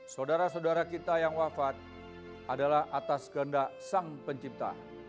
saudara saudara kita yang wafat adalah atas kehendak sang pencipta